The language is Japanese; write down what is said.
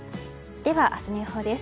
では明日の予報です。